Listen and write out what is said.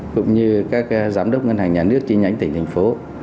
cũng như các giám đốc ngân hàng nhà nước chi nhánh tỉnh thành phố